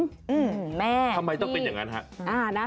ทำไมต้องเป็นอย่างนั้นฮะ